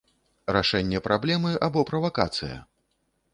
Рашэнне праблемы або правакацыя?